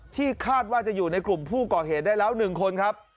ที่คาดว่าจะอยู่ในกลุ่มผู้ก่อเหตุได้แล้ว๑คนครับ